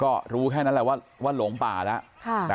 เอ่อก็รู้แค่นั้นแหละว่าว่าหลงป่าแล้วค่ะ